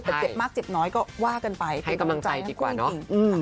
ถ้าเจ็บมากเจ็บน้อยก็ว่ากันไปให้กำลังใจดีกว่าเนอะ